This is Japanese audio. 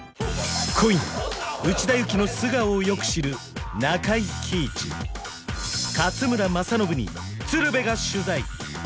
今夜内田有紀の素顔をよく知るに鶴瓶が取材！